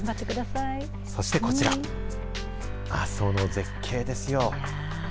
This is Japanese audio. そしてこちら、阿蘇の絶景ですよ。